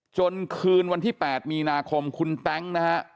จนคืนวันที่๘มีนาคมคุณแต๊งนะฮะ